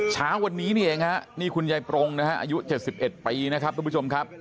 เช้าวันนี้นี่เองฮะนี่คุณยายปรงนะฮะอายุ๗๑ปีนะครับทุกผู้ชมครับ